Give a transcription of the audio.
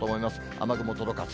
雨雲届かず。